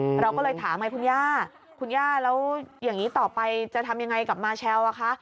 เราก็เลยถามไงคุณย่าคุณย่าแล้วอย่างนี้ต่อไปจะทำยังไงกับมาแชลอ่ะคะ